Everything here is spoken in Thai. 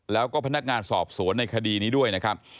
แล้วก็พนักงานสอบสวนในคดีนี้ด้วยนะครับ